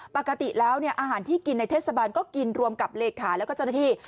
ปกติแล้วอาหารที่กินในเทศบาลก็กินรวมกับเลขาแล้วก็เจ้าหน้าที่